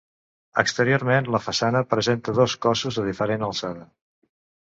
Exteriorment la façana presenta dos cossos de diferent alçada.